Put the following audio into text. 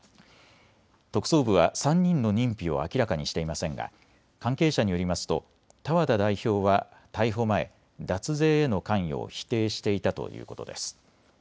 特捜部は３人の認否を明らかにしていませんが関係者によりますと多和田代表は逮捕前、脱税への関与を否定していたということです。